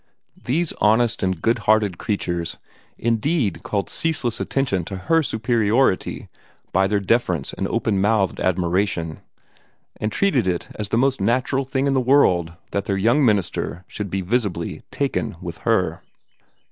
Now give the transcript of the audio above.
These honest and good hearted creatures indeed called ceaseless attention to her superiority by their deference and open mouthed admiration, and treated it as the most natural thing in the world that their young minister should be visibly "taken" with her.